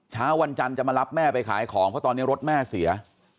เช้าวันจันทร์จะมารับแม่ไปขายของเพราะตอนนี้รถแม่เสีย